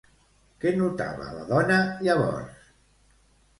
Què notava la dona llavors?